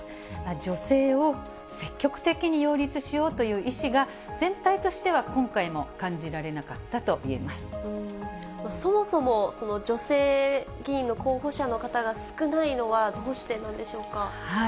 女性を積極的に擁立しようという意思が、全体としては今回も感じそもそも、その女性議員の候補者の方が少ないのはどうしてなんでしょうか。